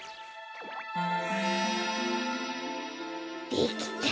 できた！